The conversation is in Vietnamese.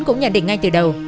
cũng nhận định ngay từ đầu